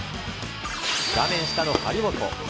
画面下の張本。